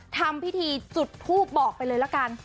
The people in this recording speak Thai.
ทำพิธีจุดทูปบอกไปเลยละกัน